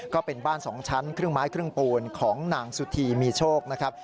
ก็เป็นบ้าน๒ชั้นครึ่งไม้ครึ่งปูนของนางสุธีมีโชคนะครับ